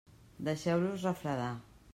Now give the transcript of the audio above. Deixeu-los refredar.